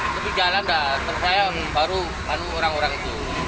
tapi jalan dah terus saya baru orang orang itu